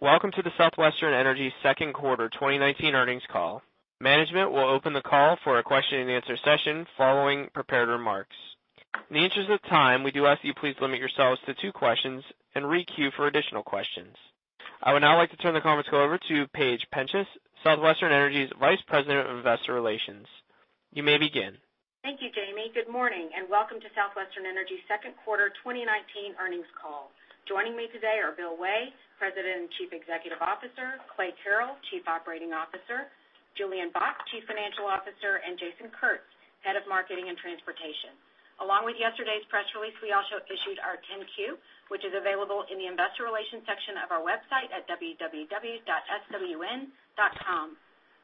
Welcome to the Southwestern Energy second quarter 2019 earnings call. Management will open the call for a question and answer session following prepared remarks. In the interest of time, we do ask you please limit yourselves to two questions and re-queue for additional questions. I would now like to turn the conference call over to Paige Penchas, Southwestern Energy's Vice President of Investor Relations. You may begin. Thank you, Jamie. Good morning, and welcome to Southwestern Energy second quarter 2019 earnings call. Joining me today are Bill Way, President and Chief Executive Officer; Clay Carrell, Chief Operating Officer; Julian Bott, Chief Financial Officer; and Jason Kurtz, Head of Marketing and Transportation. Along with yesterday's press release, we also issued our 10-Q, which is available in the investor relations section of our website at www.swn.com.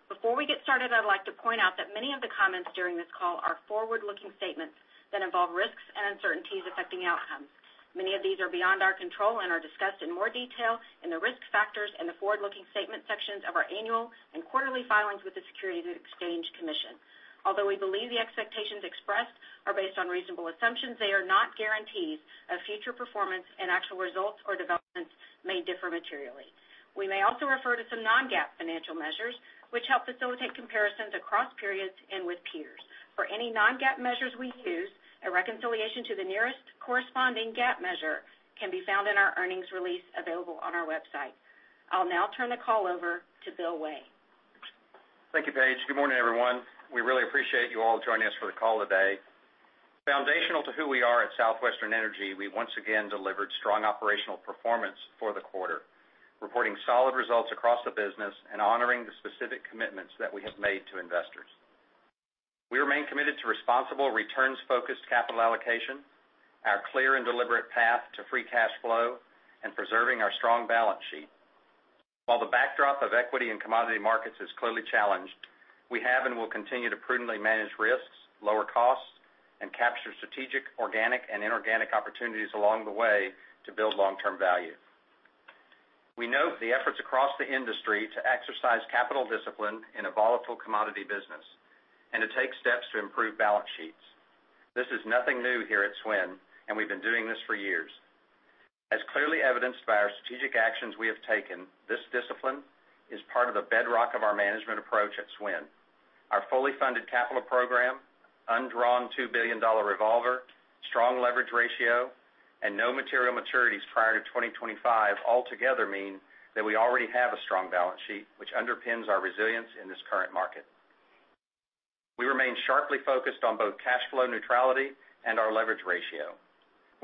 Before we get started, I'd like to point out that many of the comments during this call are forward-looking statements that involve risks and uncertainties affecting outcomes. Many of these are beyond our control and are discussed in more detail in the risk factors and the forward-looking statement sections of our annual and quarterly filings with the Securities and Exchange Commission. Although we believe the expectations expressed are based on reasonable assumptions, they are not guarantees of future performance, and actual results or developments may differ materially. We may also refer to some non-GAAP financial measures, which help facilitate comparisons across periods and with peers. For any non-GAAP measures we use, a reconciliation to the nearest corresponding GAAP measure can be found in our earnings release available on our website. I'll now turn the call over to Bill Way. Thank you, Paige. Good morning, everyone. We really appreciate you all joining us for the call today. Foundational to who we are at Southwestern Energy, we once again delivered strong operational performance for the quarter, reporting solid results across the business and honoring the specific commitments that we have made to investors. We remain committed to responsible returns-focused capital allocation, our clear and deliberate path to free cash flow, and preserving our strong balance sheet. While the backdrop of equity in commodity markets is clearly challenged, we have and will continue to prudently manage risks, lower costs, and capture strategic, organic, and inorganic opportunities along the way to build long-term value. We note the efforts across the industry to exercise capital discipline in a volatile commodity business and to take steps to improve balance sheets. This is nothing new here at SWN, and we've been doing this for years. As clearly evidenced by our strategic actions we have taken, this discipline is part of the bedrock of our management approach at SWN. Our fully funded capital program, undrawn $2 billion revolver, strong leverage ratio, and no material maturities prior to 2025 altogether mean that we already have a strong balance sheet, which underpins our resilience in this current market. We remain sharply focused on both cash flow neutrality and our leverage ratio.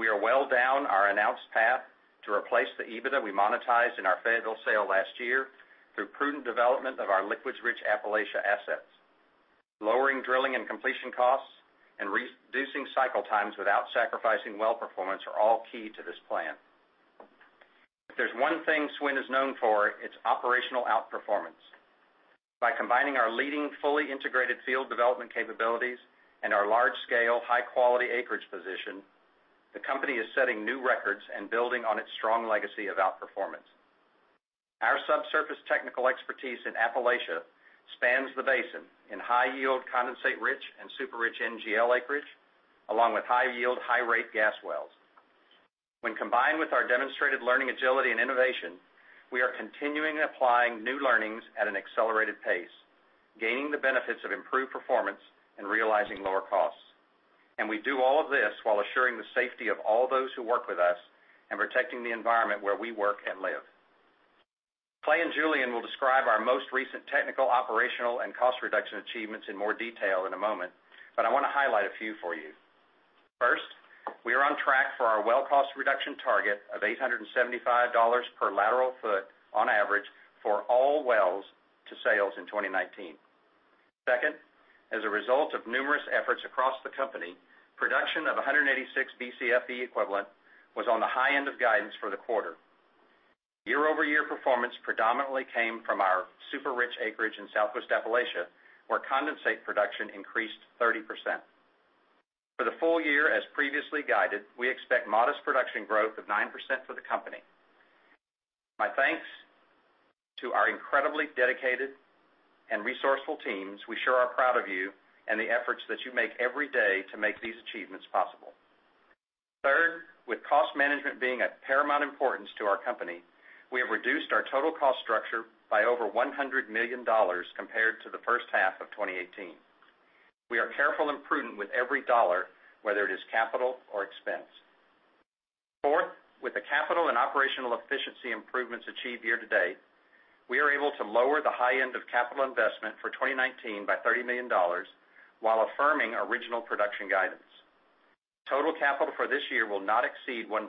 We are well down our announced path to replace the EBITDA we monetized in our Fayetteville sale last year through prudent development of our liquids-rich Appalachia assets. Lowering drilling and completion costs and reducing cycle times without sacrificing well performance are all key to this plan. If there's one thing SWN is known for, it's operational outperformance. By combining our leading fully integrated field development capabilities and our large-scale, high-quality acreage position, the company is setting new records and building on its strong legacy of outperformance. Our subsurface technical expertise in Appalachia spans the basin in high-yield condensate-rich and super-rich NGL acreage, along with high-yield, high-rate gas wells. When combined with our demonstrated learning agility and innovation, we are continuing applying new learnings at an accelerated pace, gaining the benefits of improved performance and realizing lower costs. We do all of this while assuring the safety of all those who work with us and protecting the environment where we work and live. Clay and Julian will describe our most recent technical, operational, and cost reduction achievements in more detail in a moment, but I want to highlight a few for you. First, we are on track for our well cost reduction target of $875 per lateral foot on average for all wells to sales in 2019. Second, as a result of numerous efforts across the company, production of 186 Bcfe equivalent was on the high end of guidance for the quarter. Year-over-year performance predominantly came from our super-rich acreage in Southwest Appalachia, where condensate production increased 30%. For the full year, as previously guided, we expect modest production growth of 9% for the company. My thanks to our incredibly dedicated and resourceful teams. We sure are proud of you and the efforts that you make every day to make these achievements possible. Third, with cost management being of paramount importance to our company, we have reduced our total cost structure by over $100 million compared to the first half of 2018. We are careful and prudent with every dollar, whether it is capital or expense. Fourth, with the capital and operational efficiency improvements achieved year to date, we are able to lower the high end of capital investment for 2019 by $30 million while affirming original production guidance. Total capital for this year will not exceed $1.15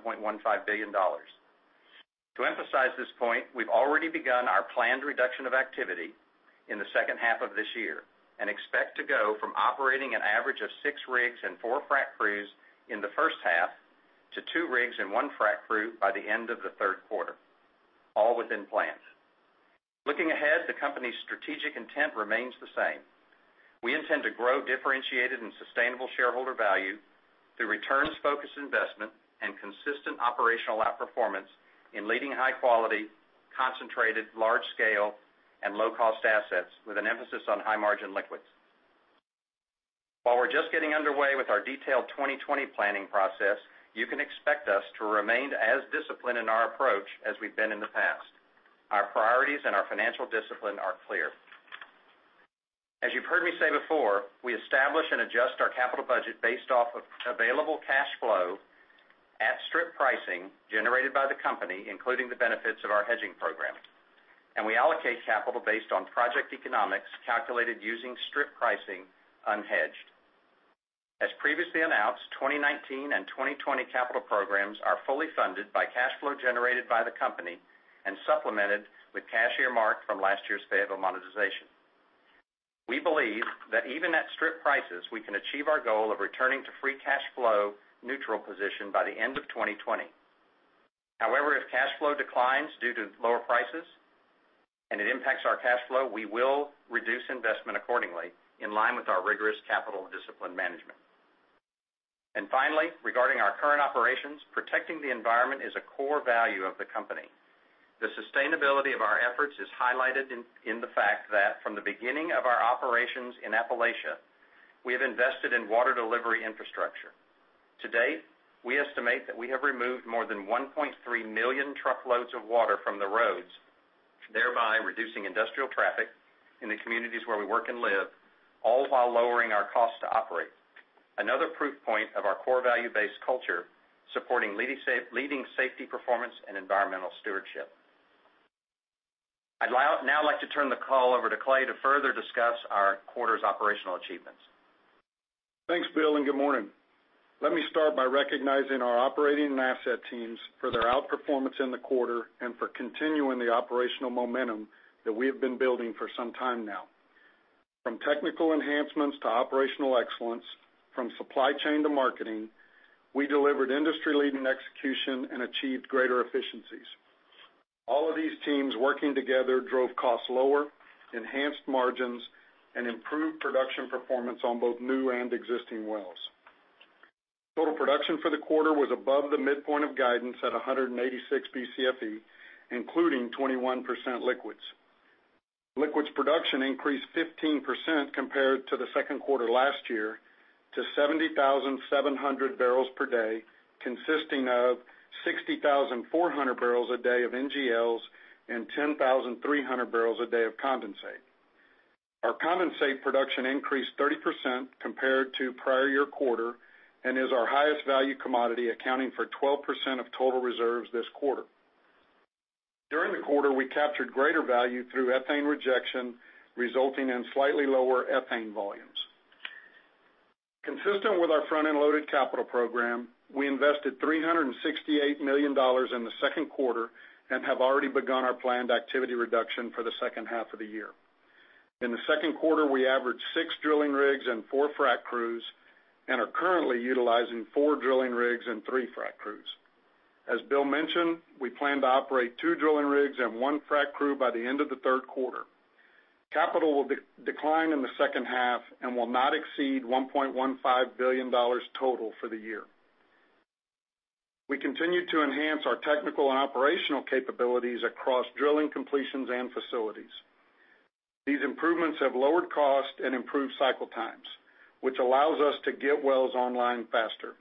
billion. To emphasize this point, we've already begun our planned reduction of activity in the second half of this year and expect to go from operating an average of six rigs and four frac crews in the first half to two rigs and one frac crew by the end of the third quarter, all within plans. Looking ahead, the company's strategic intent remains the same. We intend to grow differentiated and sustainable shareholder value through returns-focused investment and consistent operational outperformance in leading high quality, concentrated, large scale, and low-cost assets with an emphasis on high-margin liquids. While we're just getting underway with our detailed 2020 planning process, you can expect us to remain as disciplined in our approach as we've been in the past. Our priorities and our financial discipline are clear. As you've heard me say before, we establish and adjust our capital budget based off of available cash flow at strip pricing generated by the company, including the benefits of our hedging program. We allocate capital based on project economics calculated using strip pricing unhedged. As previously announced, 2019 and 2020 capital programs are fully funded by cash flow generated by the company and supplemented with cash earmarked from last year's Fayetteville monetization. We believe that even at strip prices, we can achieve our goal of returning to free cash flow neutral position by the end of 2020. If cash flow declines due to lower prices and it impacts our cash flow, we will reduce investment accordingly, in line with our rigorous capital discipline management. Finally, regarding our current operations, protecting the environment is a core value of the company. The sustainability of our efforts is highlighted in the fact that from the beginning of our operations in Appalachia, we have invested in water delivery infrastructure. To date, we estimate that we have removed more than 1.3 million truckloads of water from the roads, thereby reducing industrial traffic in the communities where we work and live, all while lowering our cost to operate. Another proof point of our core value-based culture, supporting leading safety performance and environmental stewardship. I'd now like to turn the call over to Clay to further discuss our quarter's operational achievements. Thanks, Bill, and good morning. Let me start by recognizing our operating and asset teams for their outperformance in the quarter and for continuing the operational momentum that we have been building for some time now. From technical enhancements to operational excellence, from supply chain to marketing, we delivered industry-leading execution and achieved greater efficiencies. All of these teams working together drove costs lower, enhanced margins, and improved production performance on both new and existing wells. Total production for the quarter was above the midpoint of guidance at 186 Bcfe, including 21% liquids. Liquids production increased 15% compared to the second quarter last year to 70,700 barrels per day, consisting of 60,400 barrels a day of NGLs and 10,300 barrels a day of condensate. Our condensate production increased 30% compared to prior year quarter and is our highest value commodity, accounting for 12% of total reserves this quarter. During the quarter, we captured greater value through ethane rejection, resulting in slightly lower ethane volumes. Consistent with our front-end loaded capital program, we invested $368 million in the second quarter and have already begun our planned activity reduction for the second half of the year. In the second quarter, we averaged six drilling rigs and four frac crews and are currently utilizing four drilling rigs and three frac crews. As Bill mentioned, we plan to operate two drilling rigs and one frac crew by the end of the third quarter. Capital will decline in the second half and will not exceed $1.15 billion total for the year. We continue to enhance our technical and operational capabilities across drilling completions and facilities. These improvements have lowered cost and improved cycle times, which allows us to get wells online faster.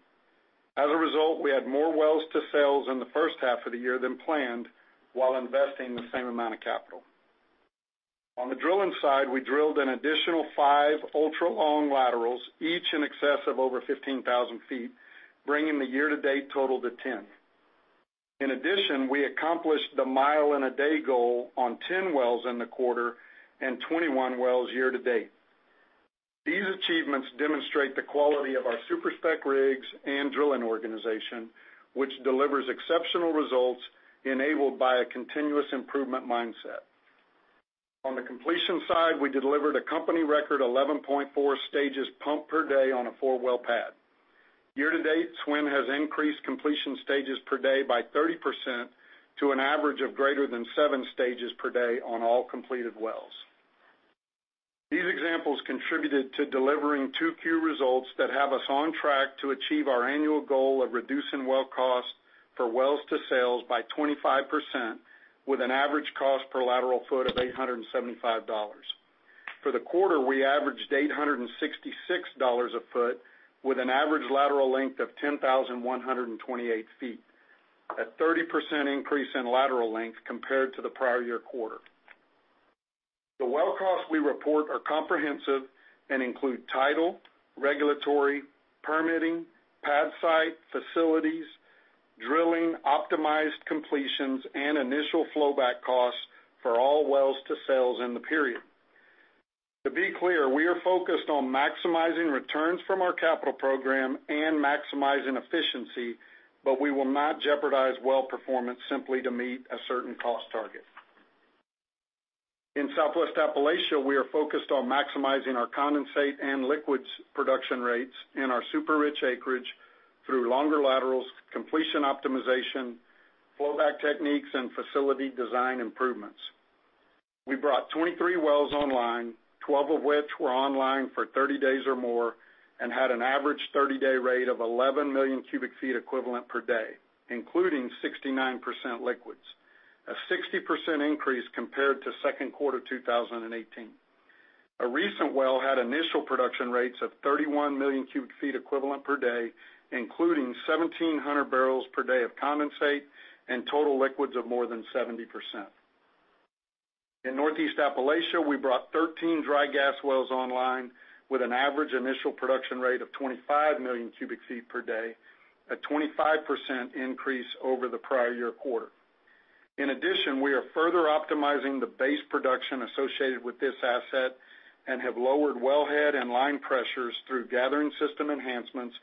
As a result, we add more wells to sales in the first half of the year than planned while investing the same amount of capital. On the drilling side, we drilled an additional 5 ultra long laterals, each in excess of over 15,000 feet, bringing the year-to-date total to 10. In addition, we accomplished the mile in a day goal on 10 wells in the quarter and 21 wells year to date. These achievements demonstrate the quality of our super-spec rigs and drilling organization, which delivers exceptional results enabled by a continuous improvement mindset. On the completion side, we delivered a company record 11.4 stages pumped per day on a 4-well pad. Year to date, SWN has increased completion stages per day by 30% to an average of greater than 7 stages per day on all completed wells. These examples contributed to delivering 2Q results that have us on track to achieve our annual goal of reducing well cost for wells to sales by 25%, with an average cost per lateral foot of $875. For the quarter, we averaged $866 a foot with an average lateral length of 10,128 feet, a 30% increase in lateral length compared to the prior year quarter. The well costs we report are comprehensive and include title, regulatory, permitting, pad site, facilities, drilling, optimized completions, and initial flow back costs for all wells to sales in the period. To be clear, we are focused on maximizing returns from our capital program and maximizing efficiency, but we will not jeopardize well performance simply to meet a certain cost target. In Southwest Appalachia, we are focused on maximizing our condensate and liquids production rates in our super-spec acreage through longer laterals, completion optimization, flow back techniques, and facility design improvements. We brought 23 wells online, 12 of which were online for 30 days or more and had an average 30-day rate of 11 million cubic feet equivalent per day, including 69% liquids. A 60% increase compared to second quarter 2018. A recent well had initial production rates of 31 million cubic feet equivalent per day, including 1,700 barrels per day of condensate and total liquids of more than 70%. In Northeast Appalachia, we brought 13 dry gas wells online with an average initial production rate of 25 million cubic feet per day, a 25% increase over the prior year quarter. In addition, we are further optimizing the base production associated with this asset and have lowered well head and line pressures through gathering system enhancements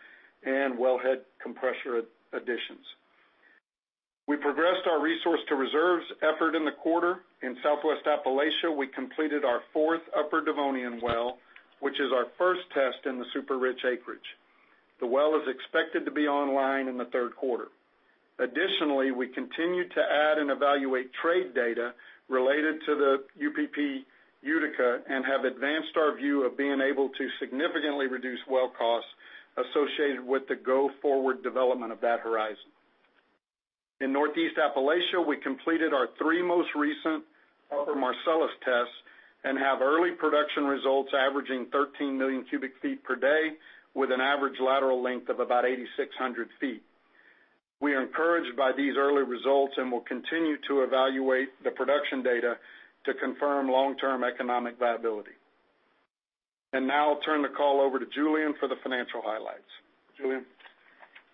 and well head compressor additions. We progressed our resource to reserves effort in the quarter. In Southwest Appalachia, we completed our fourth Upper Devonian well, which is our first test in the super-rich acreage. The well is expected to be online in the third quarter. Additionally, we continue to add and evaluate trade data related to the Upper Utica and have advanced our view of being able to significantly reduce well costs associated with the go-forward development of that horizon. In Northeast Appalachia, we completed our three most recent Upper Marcellus tests and have early production results averaging 13 million cubic feet per day, with an average lateral length of about 8,600 feet. We are encouraged by these early results and will continue to evaluate the production data to confirm long-term economic viability. Now I'll turn the call over to Julian for the financial highlights. Julian?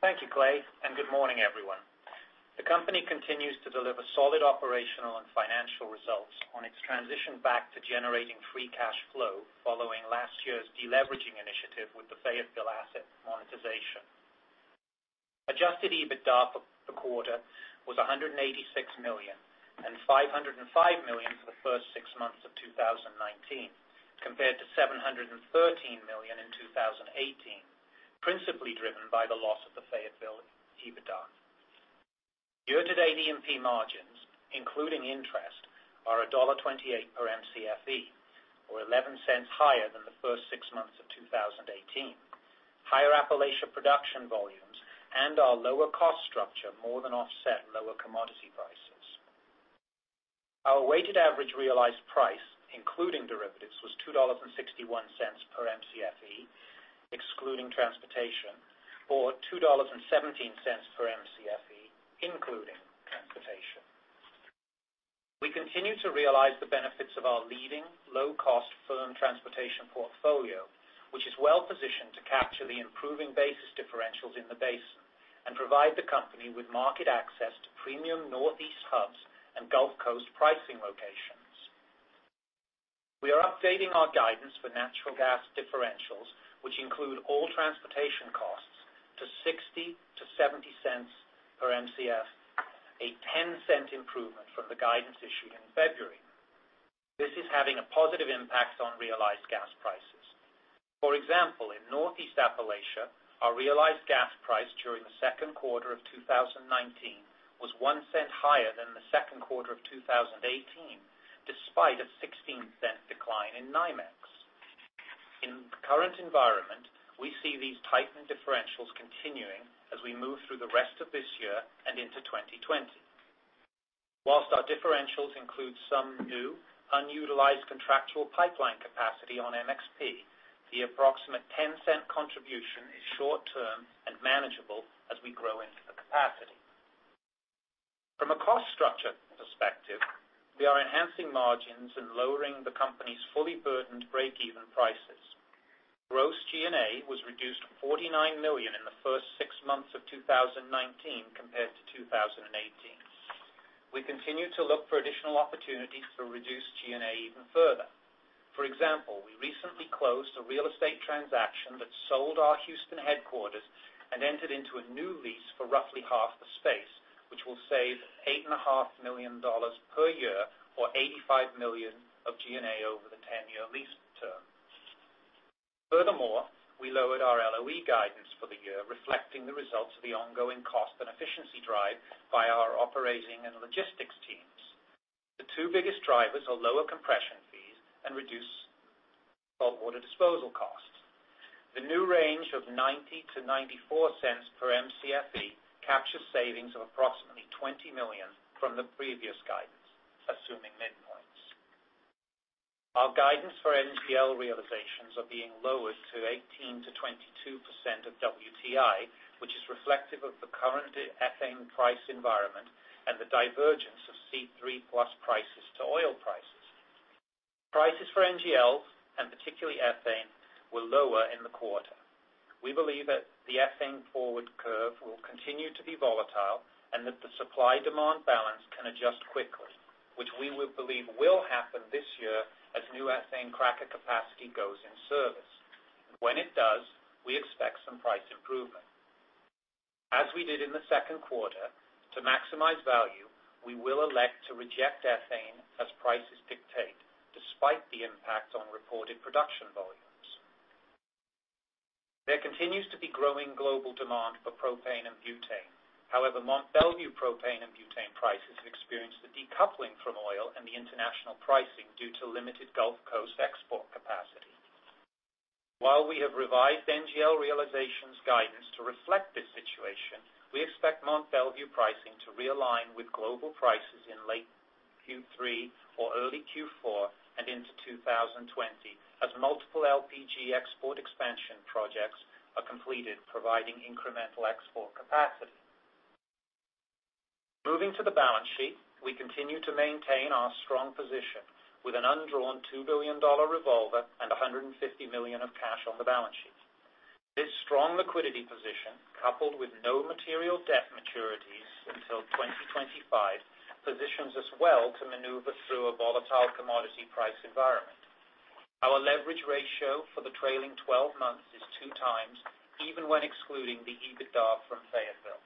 Thank you, Clay. Good morning, everyone. The company continues to deliver solid operational and financial results on its transition back to generating free cash flow following last year's deleveraging initiative with the Fayetteville asset monetization. Adjusted EBITDA for the quarter was $186 million and $505 million for the first six months of 2019, compared to $713 million in 2018, principally driven by the loss of the Fayetteville EBITDA. Year-to-date D&C margins, including interest, are $1.28 per Mcfe, or $0.11 higher than the first six months of 2018. Higher Appalachia production volumes and our lower cost structure more than offset lower commodity prices. Our weighted average realized price, including derivatives, was $2.61 per Mcfe, excluding transportation, or $2.17 per Mcfe including transportation. We continue to realize the benefits of our leading low-cost firm transportation portfolio, which is well-positioned to capture the improving basis differentials in the basin and provide the company with market access to premium Northeast hubs and Gulf Coast pricing locations. We are updating our guidance for natural gas differentials, which include all transportation costs, to $0.60-$0.70 per Mcfe, a $0.10 improvement from the guidance issued in February. This is having a positive impact on realized gas prices. For example, in Northeast Appalachia, our realized gas price during the second quarter of 2019 was $0.01 higher than the second quarter of 2018, despite a $0.16 decline in NYMEX. In the current environment, we see these tightened differentials continuing as we move through the rest of this year and into 2020. Our differentials include some new unutilized contractual pipeline capacity on MVP, the approximate $0.10 contribution is short-term and manageable as we grow into the capacity. From a cost structure perspective, we are enhancing margins and lowering the company's fully burdened break-even prices. Gross G&A was reduced $49 million in the first six months of 2019 compared to 2018. We continue to look for additional opportunities to reduce G&A even further. For example, we recently closed a real estate transaction that sold our Houston headquarters and entered into a new lease for roughly half the space, which will save $8.5 million per year or $85 million of G&A over the 10-year lease term. We lowered our LOE guidance for the year, reflecting the results of the ongoing cost and efficiency drive by our operating and logistics teams. The two biggest drivers are lower compression fees and reduced salt water disposal costs. The new range of $0.90-$0.94 per Mcfe captures savings of approximately $20 million from the previous guidance, assuming midpoints. Our guidance for NGL realizations are being lowered to 18%-22% of WTI, which is reflective of the current ethane price environment and the divergence of C3+ prices to oil prices. Prices for NGLs, and particularly ethane, were lower in the quarter. We believe that the ethane forward curve will continue to be volatile and that the supply-demand balance can adjust quickly, which we believe will happen this year as new ethane cracker capacity goes in service. When it does, we expect some price improvement. As we did in the second quarter, to maximize value, we will elect to reject ethane as prices dictate, despite the impact on reported production volumes. There continues to be growing global demand for propane and butane. However, Mont Belvieu propane and butane prices have experienced a decoupling from oil and the international pricing due to limited Gulf Coast export capacity. While we have revised NGL realizations guidance to reflect this situation, we expect Mont Belvieu pricing to realign with global prices in late Q3 or early Q4 and into 2020 as multiple LPG export expansion projects are completed, providing incremental export capacity. Moving to the balance sheet, we continue to maintain our strong position with an undrawn $2 billion revolver and $150 million of cash on the balance sheet. This strong liquidity position, coupled with no material debt maturities until 2025, positions us well to maneuver through a volatile commodity price environment. Our leverage ratio for the trailing 12 months is 2 times, even when excluding the EBITDA from Fayetteville.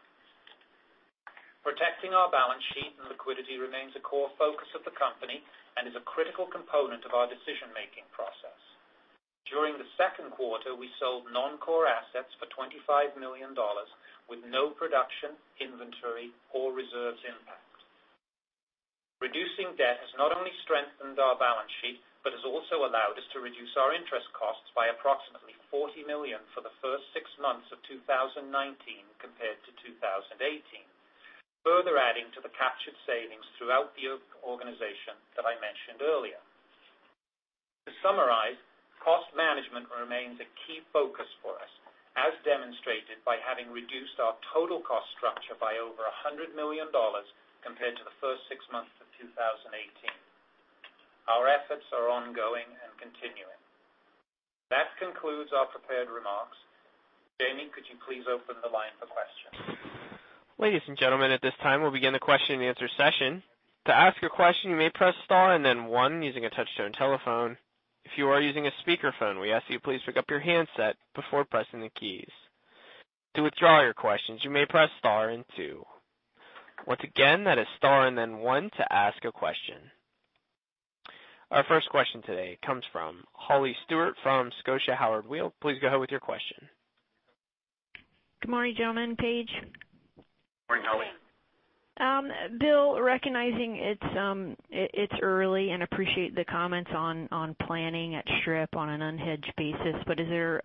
Protecting our balance sheet and liquidity remains a core focus of the company and is a critical component of our decision-making process. During the second quarter, we sold non-core assets for $25 million with no production, inventory, or reserves impact. Reducing debt has not only strengthened our balance sheet, but has also allowed us to reduce our interest costs by approximately $40 million for the first six months of 2019 compared to 2018, further adding to the captured savings throughout the organization that I mentioned earlier. To summarize, cost management remains a key focus for us, as demonstrated by having reduced our total cost structure by over $100 million compared to the first six months of 2018. Our efforts are ongoing and continuing. That concludes our prepared remarks. Jamie, could you please open the line for questions? Ladies and gentlemen, at this time, we'll begin the question and answer session. To ask a question, you may press star and then one using a touch-tone telephone. If you are using a speakerphone, we ask you please pick up your handset before pressing the keys. To withdraw your questions, you may press star and two. Once again, that is star and then one to ask a question. Our first question today comes from Holly Stewart from Scotia Howard Weil. Please go ahead with your question. Good morning, gentlemen, Paige. Morning, Holly. Bill, recognizing it's early and appreciate the comments on planning at strip on an unhedged basis, is there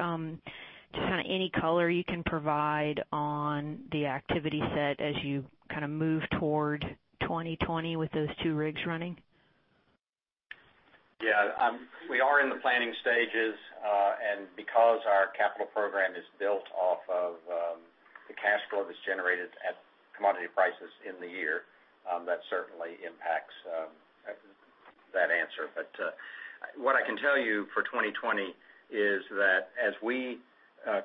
just any color you can provide on the activity set as you move toward 2020 with those two rigs running? Yeah. We are in the planning stages. Because our capital program is built off of the cash flow that's generated at commodity prices in the year, that certainly impacts that answer. What I can tell you for 2020 is that as we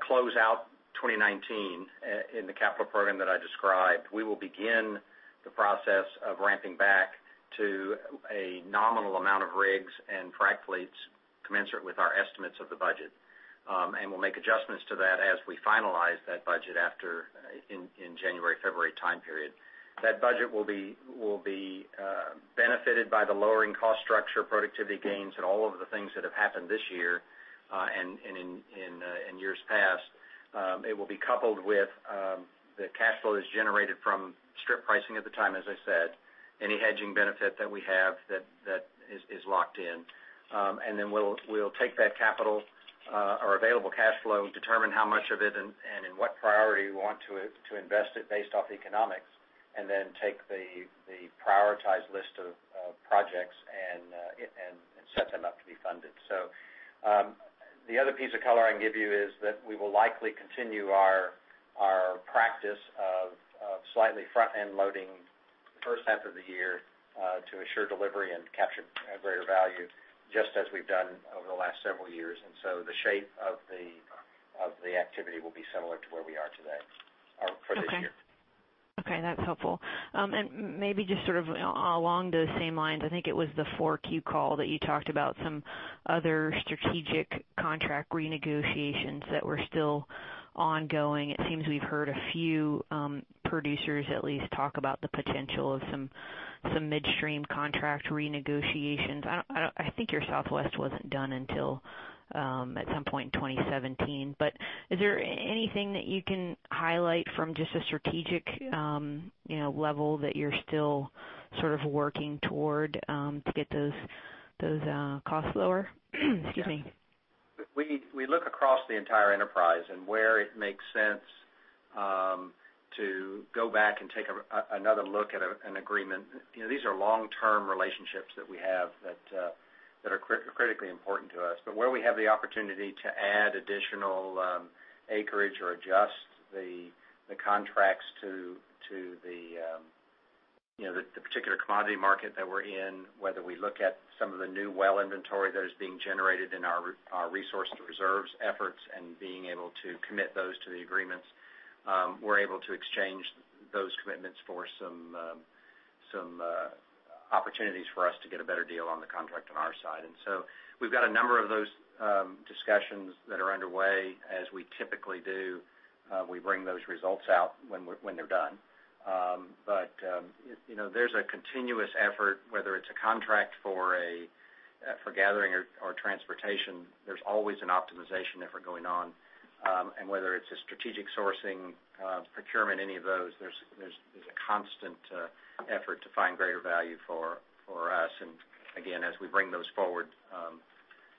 close out 2019 in the capital program that I described, we will begin the process of ramping back to a nominal amount of rigs and frac fleets commensurate with our estimates of the budget. We'll make adjustments to that as we finalize that budget in January, February time period. That budget will be benefited by the lowering cost structure, productivity gains, and all of the things that have happened this year and in years past. It will be coupled with the cash flow that's generated from strip pricing at the time, as I said, any hedging benefit that we have that is locked in. Then we'll take that capital or available cash flow, determine how much of it and in what priority we want to invest it based off economics, and then take the prioritized list of projects and set them up to be funded. The other piece of color I can give you is that we will likely continue our practice of slightly front-end loading the first half of the year to assure delivery and capture greater value, just as we've done over the last several years. The shape of the activity will be similar to where we are today for this year. Okay. That's helpful. Maybe just sort of along those same lines, I think it was the 4Q call that you talked about some other strategic contract renegotiations that were still ongoing. It seems we've heard a few producers at least talk about the potential of some midstream contract renegotiations. I think your Southwest wasn't done until at some point in 2017, but is there anything that you can highlight from just a strategic level that you're still working toward to get those costs lower? Excuse me. We look across the entire enterprise and where it makes sense to go back and take another look at an agreement. These are long-term relationships that we have that are critically important to us. Where we have the opportunity to add additional acreage or adjust the contracts to the particular commodity market that we're in, whether we look at some of the new well inventory that is being generated in our resource to reserves efforts and being able to commit those to the agreements, we're able to exchange those commitments for some opportunities for us to get a better deal on the contract on our side. We've got a number of those discussions that are underway. As we typically do, we bring those results out when they're done. There's a continuous effort, whether it's a contract for gathering or transportation, there's always an optimization effort going on. Whether it's a strategic sourcing, procurement, any of those, there's a constant effort to find greater value for us. Again, as we bring those forward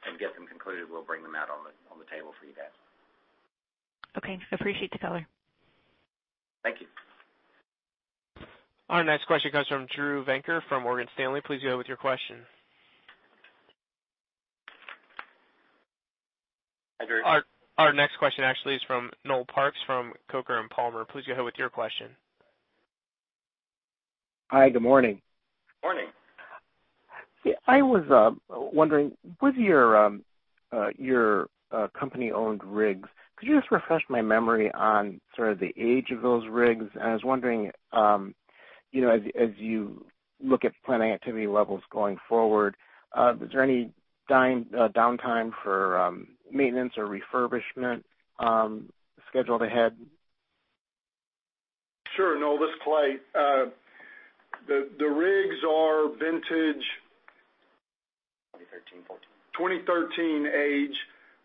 and get them concluded, we'll bring them out on the table for you guys. Okay. Appreciate the color. Thank you. Our next question comes from Drew Venker from Morgan Stanley. Please go ahead with your question. Hi, Drew. Our next question actually is from Noel Parks from Coker & Palmer. Please go ahead with your question. Hi, good morning. Morning. I was wondering, with your company-owned rigs, could you just refresh my memory on sort of the age of those rigs? I was wondering, as you look at planning activity levels going forward, is there any downtime for maintenance or refurbishment scheduled ahead? Sure, Noel. This is Clay. The rigs are vintage. 2013, 2014. 2013 age.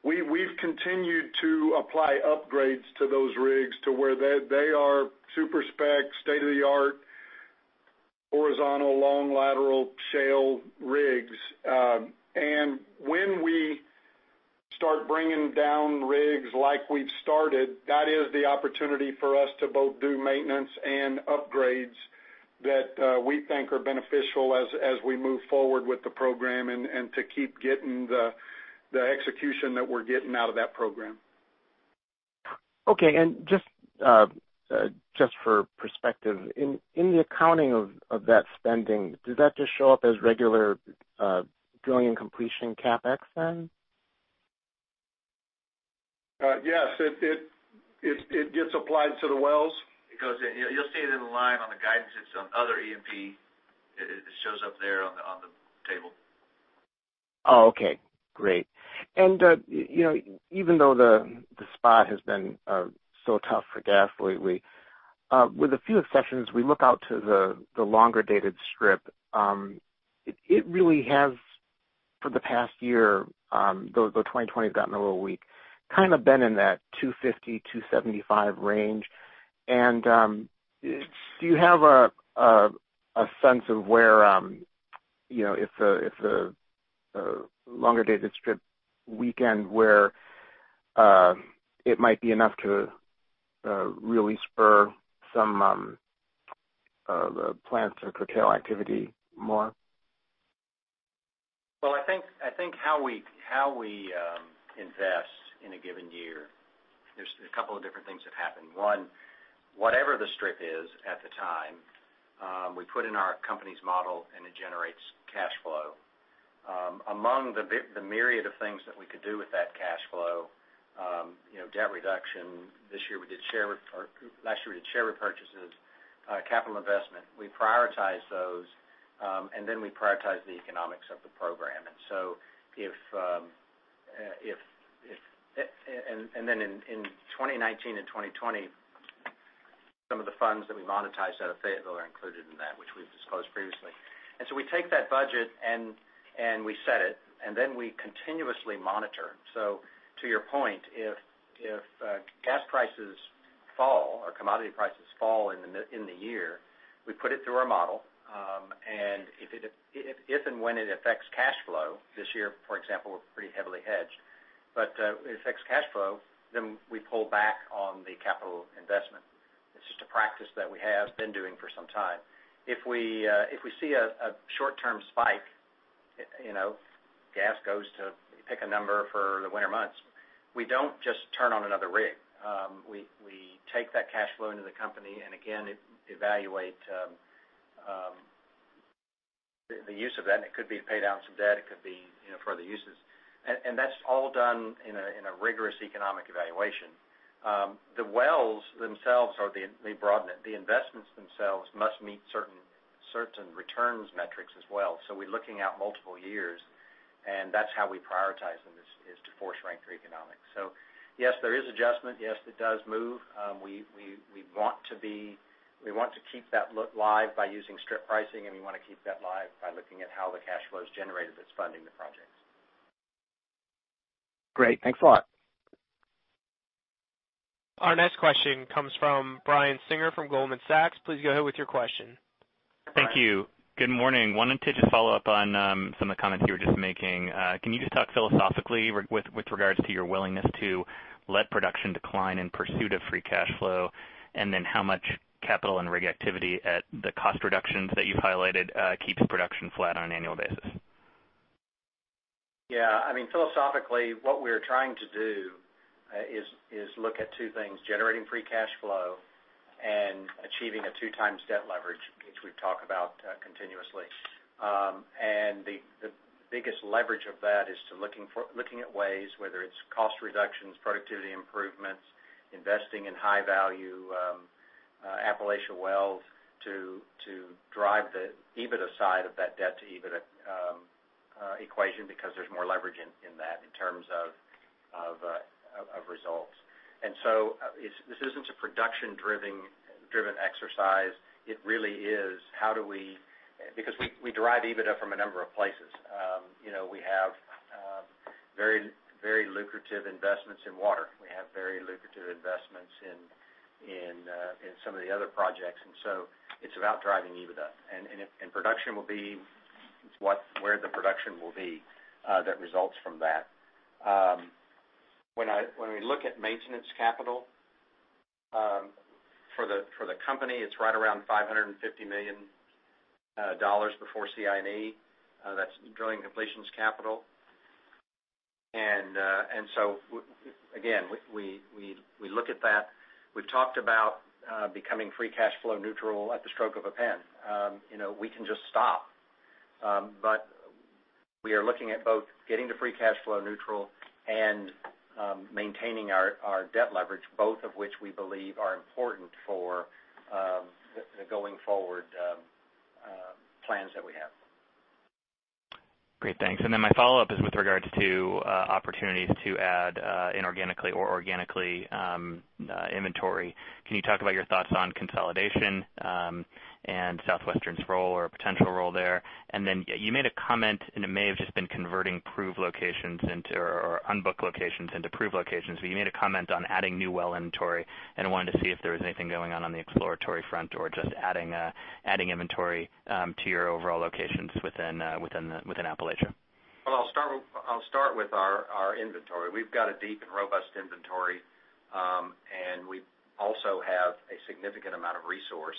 We've continued to apply upgrades to those rigs to where they are super-spec, state-of-the-art, horizontal long lateral shale rigs. When we start bringing down rigs like we've started, that is the opportunity for us to both do maintenance and upgrades that we think are beneficial as we move forward with the program and to keep getting the execution that we're getting out of that program. Okay. Just for perspective, in the accounting of that spending, does that just show up as regular drilling and completion CapEx then? Yes. It gets applied to the wells. You'll see it in the line on the guidance. It's on other E&P. It shows up there on the table. Oh, okay. Great. Even though the spot has been so tough for gas lately, with a few exceptions, we look out to the longer dated strip. It really has for the past year, though 2020 has gotten a little weak, kind of been in that $2.50-$2.75 range. Do you have a sense of where if the longer dated strip weakened where it might be enough to really spur some of the plants or curtail activity more? Well, I think how we invest in a given year, there's a couple of different things that happen. One, whatever the strip is at the time, we put in our company's model, and it generates cash flow. Among the myriad of things that we could do with that cash flow, debt reduction. Last year, we did share repurchases, capital investment. We prioritize those, and then we prioritize the economics of the program. In 2019 and 2020, some of the funds that we monetized out of Fayetteville are included in that which we've disclosed previously. We take that budget, and we set it, and then we continuously monitor. To your point, if gas prices fall or commodity prices fall in the year, we put it through our model. If and when it affects cash flow, this year, for example, we're pretty heavily hedged, but it affects cash flow, then we pull back on the capital investment. It's just a practice that we have been doing for some time. If we see a short-term spike, gas goes to pick a number for the winter months. We don't just turn on another rig. We take that cash flow into the company, and again, evaluate the use of that, and it could be to pay down some debt, it could be further uses. That's all done in a rigorous economic evaluation. The wells themselves or the investments themselves must meet certain returns metrics as well. We're looking out multiple years, and that's how we prioritize them, is to force rank for economics. Yes, there is adjustment. Yes, it does move. We want to keep that live by using strip pricing. We want to keep that live by looking at how the cash flow is generated that's funding the projects. Great. Thanks a lot. Our next question comes from Brian Singer from Goldman Sachs. Please go ahead with your question. Thank you. Good morning. I wanted to just follow up on some of the comments you were just making. Can you just talk philosophically with regards to your willingness to let production decline in pursuit of free cash flow, and then how much capital and rig activity at the cost reductions that you highlighted keeps production flat on an annual basis? Yeah. Philosophically, what we're trying to do is look at two things, generating free cash flow and achieving a two times debt leverage, which we talk about continuously. The biggest leverage of that is looking at ways, whether it's cost reductions, productivity improvements, investing in high-value Appalachian wells to drive the EBITDA side of that debt-to-EBITDA equation, because there's more leverage in that in terms of results. This isn't a production-driven exercise. It really is how we derive EBITDA from a number of places. We have very lucrative investments in water. We have very lucrative investments in some of the other projects. It's about driving EBITDA. Production will be where the production will be that results from that. When we look at maintenance capital for the company, it's right around $550 million before CINE. That's drilling completions capital. Again, we look at that. We've talked about becoming free cash flow neutral at the stroke of a pen. We can just stop. We are looking at both getting to free cash flow neutral and maintaining our debt leverage, both of which we believe are important for the going forward plans that we have. Great, thanks. My follow-up is with regards to opportunities to add inorganically or organically inventory. Can you talk about your thoughts on consolidation and Southwestern's role or potential role there? You made a comment, and it may have just been converting proved locations or unbooked locations into proved locations, but you made a comment on adding new well inventory, and I wanted to see if there was anything going on the exploratory front or just adding inventory to your overall locations within Appalachia? Well, I'll start with our inventory. We've got a deep and robust inventory, and we also have a significant amount of resource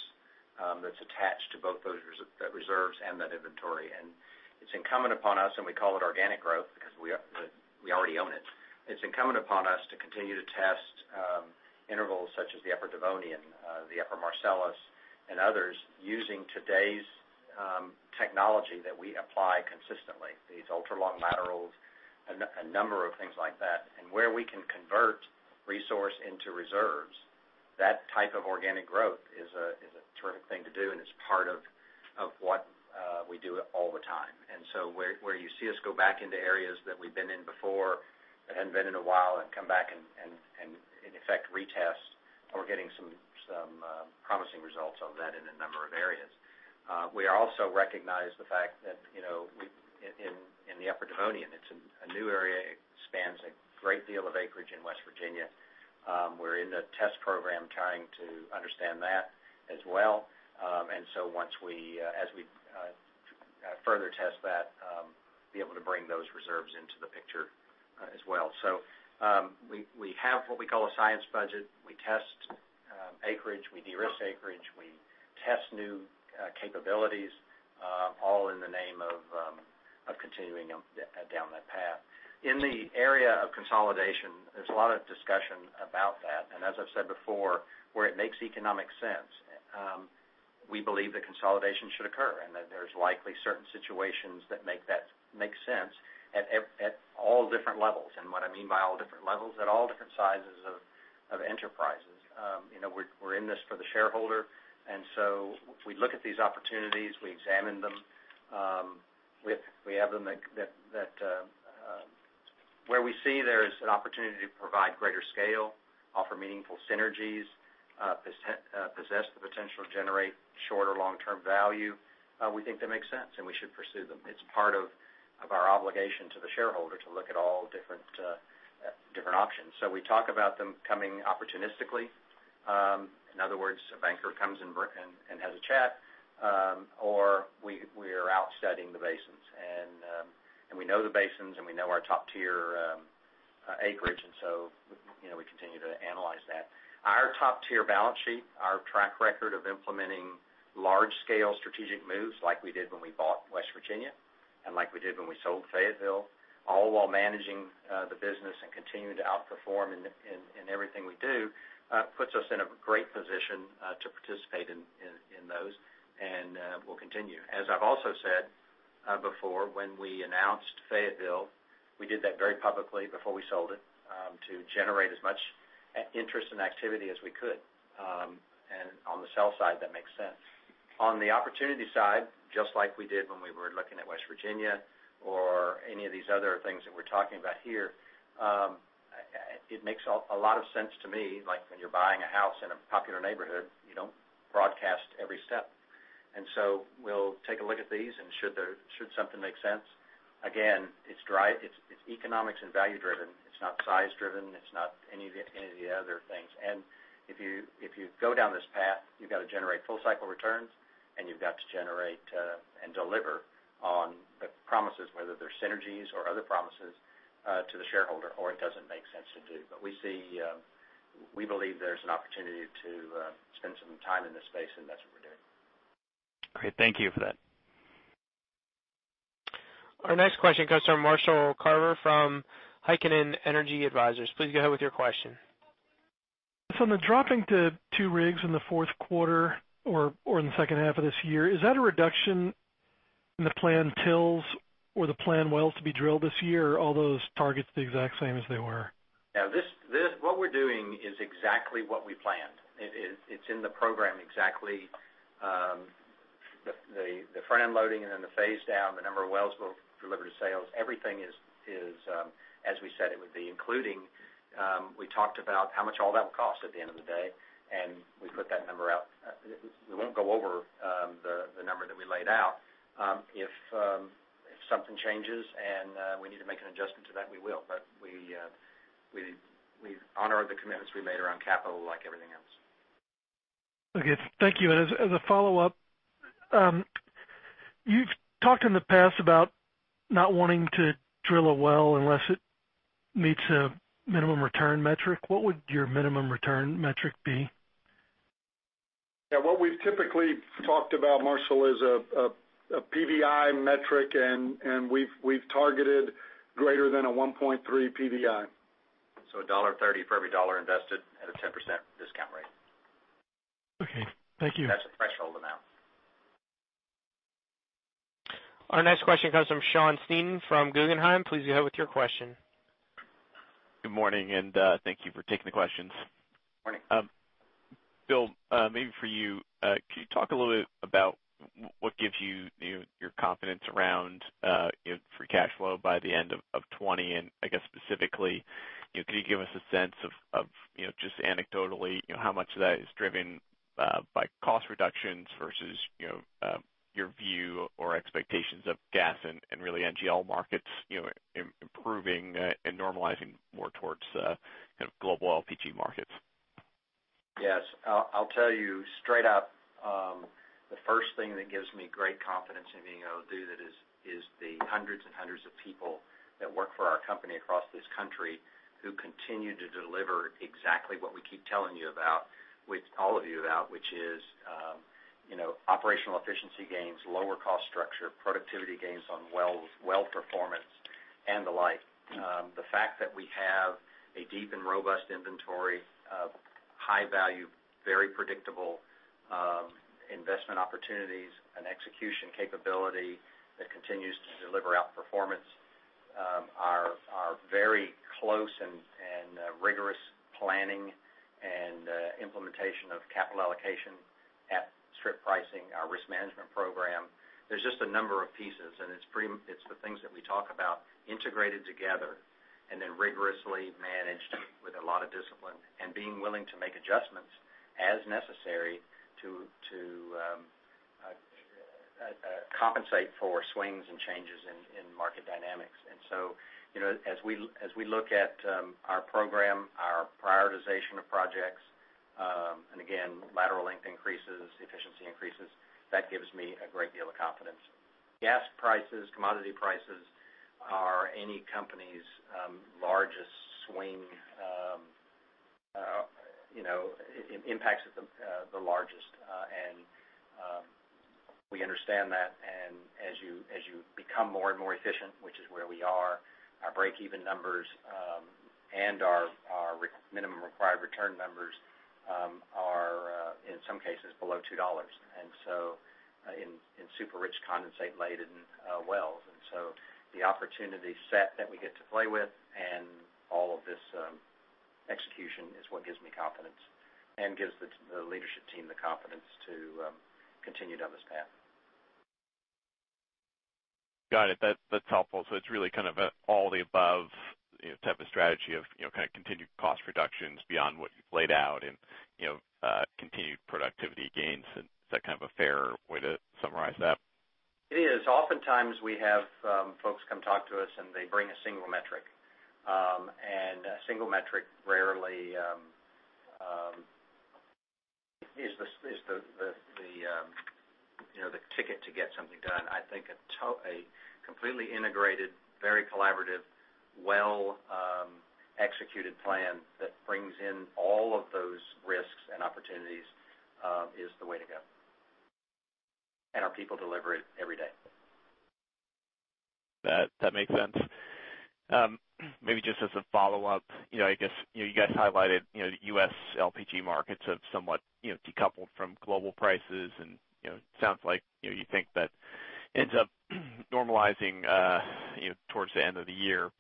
that's attached to both those reserves and that inventory. It's incumbent upon us, and we call it organic growth because we already own it. It's incumbent upon us to continue to test intervals such as the Upper Devonian, the Upper Marcellus, and others using today's technology that we apply consistently, these ultra-long laterals, a number of things like that. Where we can convert resource into reserves, that type of organic growth is a terrific thing to do, and it's part of what we do all the time. Where you see us go back into areas that we've been in before that hadn't been in a while and come back and in effect retest, we're getting some promising results on that in a number of areas. We also recognize the fact that in the Upper Devonian, it's a new area. It spans a great deal of acreage in West Virginia. We're in the test program trying to understand that as well. As we further test that, be able to bring those reserves into the picture as well. We have what we call a science budget. We test acreage, we de-risk acreage, we test new capabilities all in the name of continuing down that path. In the area of consolidation, there's a lot of discussion about that, and as I've said before, where it makes economic sense we believe that consolidation should occur, and that there's likely certain situations that make sense at all different levels. What I mean by all different levels, at all different sizes of enterprises. We're in this for the shareholder. We look at these opportunities, we examine them. Where we see there is an opportunity to provide greater scale, offer meaningful synergies, possess the potential to generate shorter long-term value, we think that makes sense, and we should pursue them. It's part of our obligation to the shareholder to look at all different options. We talk about them coming opportunistically. In other words, a banker comes in and has a chat, or we are out studying the basins, and we know the basins, and we know our top-tier acreage, so we continue to analyze that. Our top-tier balance sheet, our track record of implementing large-scale strategic moves like we did when we bought West Virginia and like we did when we sold Fayetteville, all while managing the business and continuing to outperform in everything we do puts us in a great position to participate in those, and we'll continue. As I've also said before, when we announced Fayetteville, we did that very publicly before we sold it to generate as much interest and activity as we could. On the sell side, that makes sense. On the opportunity side, just like we did when we were looking at West Virginia or any of these other things that we're talking about here, it makes a lot of sense to me, like when you're buying a house in a popular neighborhood, you don't broadcast every step. We'll take a look at these, and should something make sense, again, it's economics and value driven. It's not size driven. It's not any of the other things. If you go down this path, you've got to generate full-cycle returns, and you've got to generate and deliver on the promises, whether they're synergies or other promises to the shareholder, or it doesn't make sense to do. We believe there's an opportunity to spend some time in this space, and that's what we're doing. Great. Thank you for that. Our next question comes from Marshall Carver from Heikkinen Energy Advisors. Please go ahead with your question. On the dropping to two rigs in the fourth quarter or in the second half of this year, is that a reduction in the planned drills or the planned wells to be drilled this year, or are all those targets the exact same as they were? What we're doing is exactly what we planned. It's in the program exactly. The front-end loading and then the phase down, the number of wells we'll deliver to sales, everything is as we said it would be, including we talked about how much all that will cost at the end of the day, and we put that number out. We won't go over the number that we laid out. If something changes and we need to make an adjustment to that, we will. We honor the commitments we made around capital, like everything else. Okay. Thank you. As a follow-up, you've talked in the past about not wanting to drill a well unless it meets a minimum return metric. What would your minimum return metric be? Yeah, what we've typically talked about, Marshall, is a PVI metric, and we've targeted greater than a 1.3 PVI. $1.30 for every dollar invested at a 10% discount rate. Okay. Thank you. That's a threshold amount. Our next question comes from Sean Sneeden from Guggenheim. Please go ahead with your question. Good morning. Thank you for taking the questions. Morning. Bill, maybe for you. Could you talk a little bit about what gives you your confidence around free cash flow by the end of 2020? I guess specifically, could you give us a sense of, just anecdotally, how much of that is driven by cost reductions versus your view or expectations of gas and really NGL markets improving and normalizing more towards global LPG markets? Yes. I'll tell you straight up. The first thing that gives me great confidence in being able to do that is the hundreds and hundreds of people that work for our company across this country who continue to deliver exactly what we keep telling you about, which all of you about, which is operational efficiency gains, lower cost structure, productivity gains on wells, well performance and the like. The fact that we have a deep and robust inventory of high value, very predictable investment opportunities and execution capability that continues to deliver outperformance are very close and rigorous planning and implementation of capital allocation at strip pricing, our risk management program. There's just a number of pieces, and it's the things that we talk about integrated together and then rigorously managed with a lot of discipline and being willing to make adjustments as necessary to compensate for swings and changes in market dynamics. As we look at our program, our prioritization of projects, and again, lateral length increases, efficiency increases, that gives me a great deal of confidence. Gas prices, commodity prices are any company's largest swing. Impacts it the largest. We understand that. As you become more and more efficient, which is where we are, our breakeven numbers, and our minimum required return numbers are, in some cases, below $2, and so in super-rich condensate-laden wells. The opportunity set that we get to play with and all of this execution is what gives me confidence and gives the leadership team the confidence to continue down this path. Got it. That's helpful. It's really kind of all the above type of strategy of kind of continued cost reductions beyond what you've laid out and continued productivity gains. Is that kind of a fair way to summarize that? It is. Oftentimes we have folks come talk to us, and they bring a single metric. A single metric rarely is the ticket to get something done. I think a completely integrated, very collaborative, well-executed plan that brings in all of those risks and opportunities, is the way to go. Our people deliver it every day. That makes sense. Maybe just as a follow-up, I guess you guys highlighted U.S. LPG markets have somewhat decoupled from global prices, and sounds like you think that ends up normalizing towards the end of the year.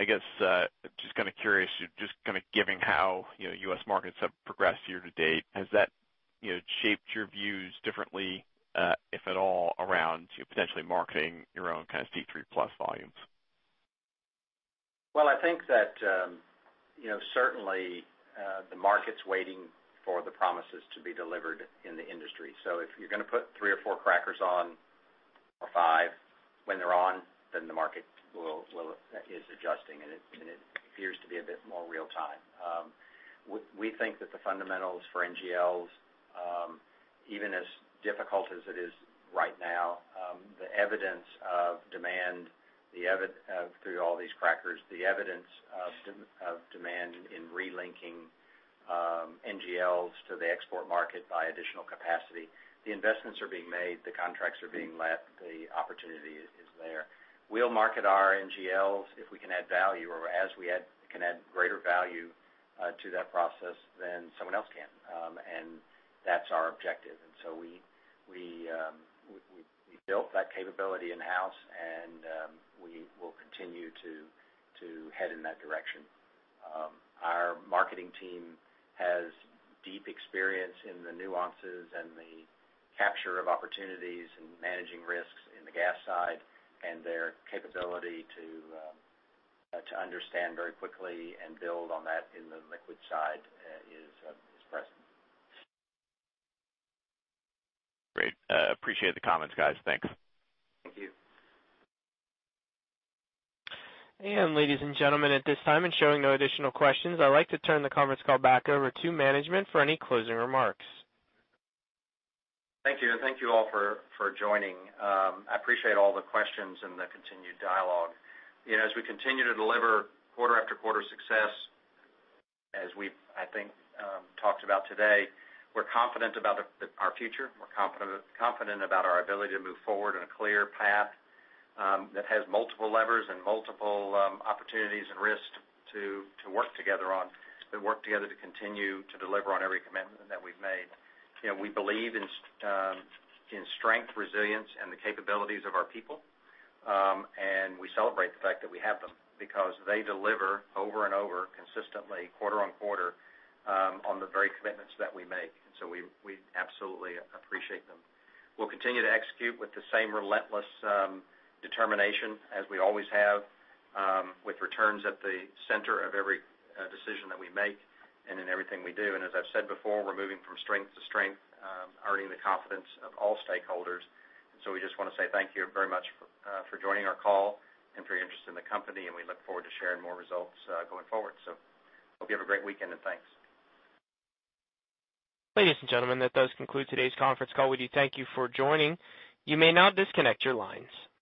I guess, just kind of curious, just kind of given how U.S. markets have progressed year to date, has that shaped your views differently, if at all, around potentially marketing your own kind of C3+ volumes? I think that certainly the market's waiting for the promises to be delivered in the industry. If you're going to put three or four crackers on or five when they're on, the market is adjusting, and it appears to be a bit more real time. We think that the fundamentals for NGLs, even as difficult as it is right now, the evidence of demand through all these crackers, the evidence of demand in relinking NGLs to the export market by additional capacity, the investments are being made, the contracts are being let, the opportunity is there. We'll market our NGLs if we can add value or as we can add greater value to that process than someone else can. That's our objective. We built that capability in-house, we will continue to head in that direction. Our marketing team has deep experience in the nuances and the capture of opportunities and managing risks in the gas side, and their capability to understand very quickly and build on that in the liquid side is present. Great. Appreciate the comments, guys. Thanks. Thank you. Ladies and gentlemen, at this time and showing no additional questions, I'd like to turn the conference call back over to management for any closing remarks. Thank you. Thank you all for joining. I appreciate all the questions and the continued dialogue. As we continue to deliver quarter after quarter success, as we've, I think, talked about today, we're confident about our future. We're confident about our ability to move forward in a clear path that has multiple levers and multiple opportunities and risks to work together on, to work together to continue to deliver on every commitment that we've made. We believe in strength, resilience, and the capabilities of our people. We celebrate the fact that we have them because they deliver over and over, consistently quarter on quarter, on the very commitments that we make. We absolutely appreciate them. We'll continue to execute with the same relentless determination as we always have, with returns at the center of every decision that we make and in everything we do. As I've said before, we're moving from strength to strength, earning the confidence of all stakeholders. We just want to say thank you very much for joining our call and for your interest in the company, and we look forward to sharing more results going forward. Hope you have a great weekend, and thanks. Ladies and gentlemen, that does conclude today's conference call. We do thank you for joining. You may now disconnect your lines.